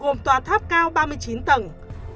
gồm tòa tháp cao ba mươi chín tầng